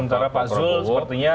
sementara pak zul sepertinya